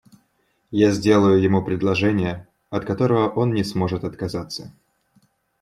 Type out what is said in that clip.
Я сделаю ему предложение, от которого он не сможет отказаться.